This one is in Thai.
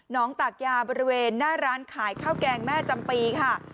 ตากยาบริเวณหน้าร้านขายข้าวแกงแม่จำปีค่ะ